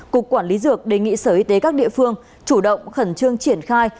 cục quản lý dược đề nghị sở y tế các địa phương chủ động khẩn trương triển khai